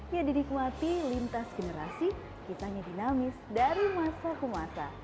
yang didikmati lintas generasi kisahnya dinamis dari masa ke masa